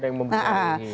yang membuat ini